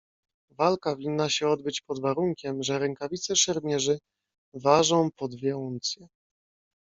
"Walka winna się odbyć pod warunkiem, że rękawice szermierzy ważą po dwie uncje."